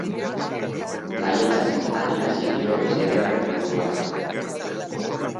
Baietz adierazi dio Goizederrek buruaz.